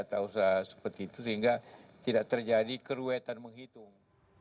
tidak usah seperti itu sehingga tidak terjadi keruetan menghitung